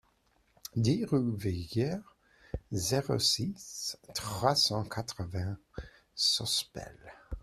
dix rue du Viguier, zéro six, trois cent quatre-vingts Sospel